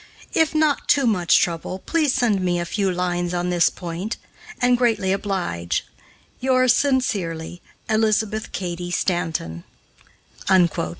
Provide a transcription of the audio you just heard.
If not too much trouble, please send me a few lines on this point, and greatly oblige, "Yours sincerely, "ELIZABETH CADY STANTON."